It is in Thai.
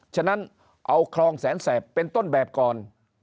ฉะนั้นเอาคลองแสนแสบเป็นต้นแบบก่อน